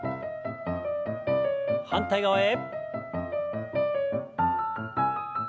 反対側へ。